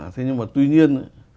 thế nhưng mà tuy nhiên